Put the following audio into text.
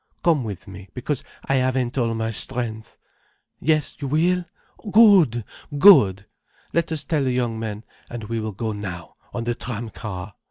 Come with me, because I haven't all my strength. Yes, you will? Good! Good! Let us tell the young men, and we will go now, on the tram car."